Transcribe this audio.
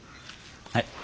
はい。